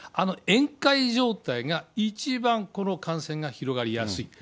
宴会状態が一番、この感染が広がりやすい。